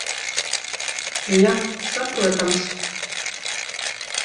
Nu ja. Saprotams.